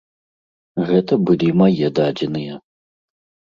Гэта былі мае дадзеныя.